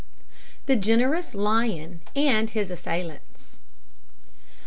THE GENEROUS LION AND HIS ASSAILANTS.